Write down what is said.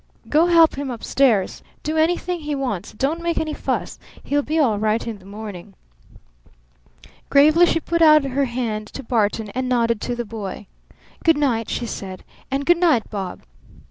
Go help him up stairs. Do anything he wants. But don't make any fuss. He'll be all right in the morning." Gravely she put out her hand to Barton, and nodded to the boy. "Good night!" she said. "And good night, Bob!"